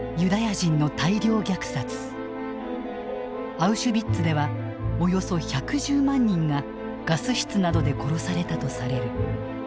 アウシュビッツではおよそ１１０万人がガス室などで殺されたとされる。